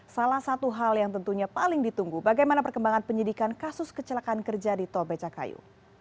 salah satu hal yang tentunya paling ditunggu bagaimana perkembangan penyidikan kasus kecelakaan kerja di tol becakayu